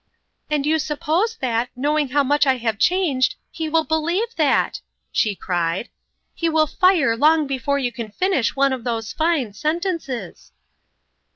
"And you suppose that, knowing how I have changed, he will believe that !" she cried. " He will fire long before you can finish one of those fine sentences